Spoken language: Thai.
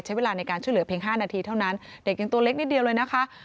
ใช้เวลาในการช่วยเหลือเพียง๕นาทีเท่านั้นเด็กยังตัวเล็กนิดเดียวเลยนะคะ